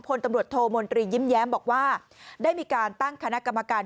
พลตำรวจโทมนตรียิ้มแย้มบอกว่าได้มีการตั้งคณะกรรมการ